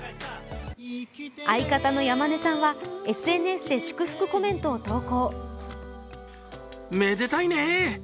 相方の山根さんは、ＳＮＳで祝福コメントを投稿。